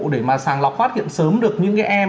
để mà sàng lọc phát hiện sớm được những cái em